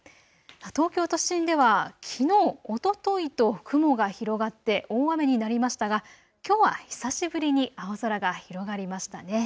東京都心ではきのう、おとといと雲が広がって大雨になりましたがきょうは久しぶりに青空が広がりましたね。